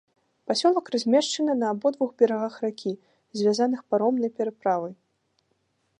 Пасёлак размешчаны на абодвух берагах ракі, звязаных паромнай пераправай.